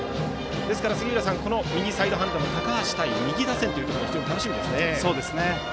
ですから、杉浦さんこの右サイドハンドの高橋投手右打線というところ非常に楽しみですね。